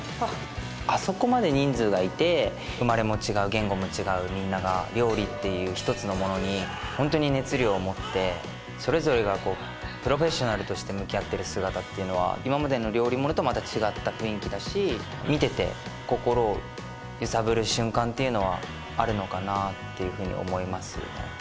あそこまで人数がいて生まれも違う言語も違うみんなが料理っていう一つのものにホントに熱量を持ってそれぞれがプロフェッショナルとして向き合ってる姿っていうのは今までの料理ものとまた違った雰囲気だし見てて心を揺さぶる瞬間っていうのはあるのかなっていうふうに思いますね